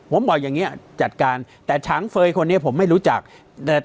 ผมบอกอย่างเงี้ยจัดการแต่ฉางเฟย์คนนี้ผมไม่รู้จักเอ่อ